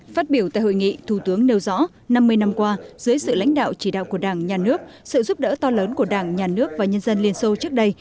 phát biểu tại hội nghị thủ tướng nêu rõ năm mươi năm qua dưới sự lãnh đạo chỉ đạo của đảng nhà nước sự giúp đỡ to lớn của đảng nhà nước và nhân dân liên xô trước đây